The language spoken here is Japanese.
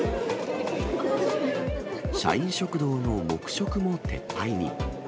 社員食堂の黙食も撤廃に。